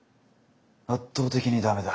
圧倒的に駄目だ。